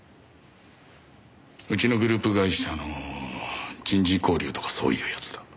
うちのグループ会社の人事交流とかそういうやつだ。